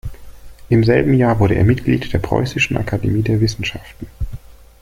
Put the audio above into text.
Im selben Jahr wurde er Mitglied der Preußischen Akademie der Wissenschaften.